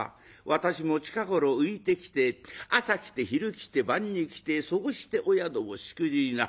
私も近頃浮いてきて朝来て昼来て晩に来てそうしてお宿をしくじりな。